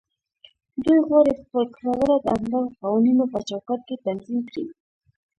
دوی غواړي خپل کړه وړه د همدغو قوانينو په چوکاټ کې تنظيم کړي.